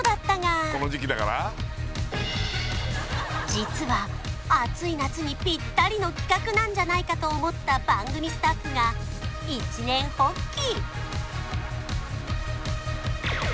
実は暑い夏にピッタリの企画なんじゃないかと思った番組スタッフが一念発起